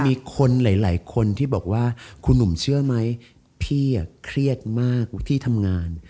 มีคนหลายคนที่บอกว่าคุณหนุ่มเชื่อไหมพี่เครียดมากที่ทำงาน